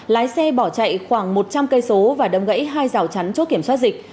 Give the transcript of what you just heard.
lái xe bỏ chạy khoảng một trăm linh km và đâm gãy hai rào chắn chốt kiểm soát dịch